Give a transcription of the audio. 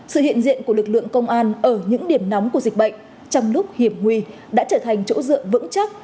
sự hiện diện của lực lượng công an ở những điểm nóng của dịch bệnh trong lúc hiểm nguy đã trở thành chỗ dựa vững chắc